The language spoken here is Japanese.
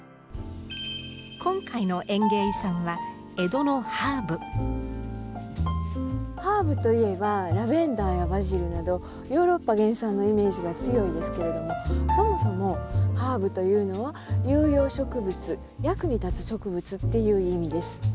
今回の園芸遺産はハーブといえばラベンダーやバジルなどヨーロッパ原産のイメージが強いですけれどもそもそもハーブというのは有用植物役に立つ植物っていう意味です。